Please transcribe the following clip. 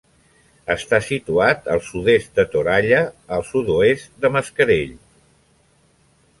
Està situat al sud-est de Toralla, al sud-oest de Mascarell.